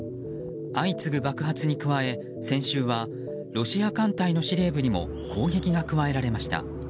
相次ぐ爆発に加え先週はロシア艦隊の司令部にも攻撃が加えられました。